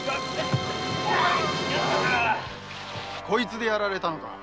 こいつでやられたんだ。